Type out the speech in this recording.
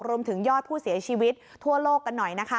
รวมถึงยอดผู้เสียชีวิตทั่วโลกกันหน่อยนะคะ